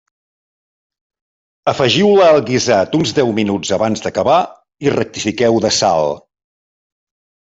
Afegiu-la al guisat uns deu minuts abans d'acabar i rectifiqueu de sal.